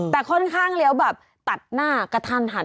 แต่ค่อนข้างเลี้ยวแบบตัดหน้ากระทันหัน